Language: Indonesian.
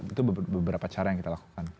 itu beberapa cara yang kita lakukan